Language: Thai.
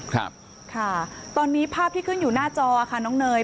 ครับค่ะตอนนี้ภาพที่ขึ้นอยู่หน้าจอค่ะน้องเนย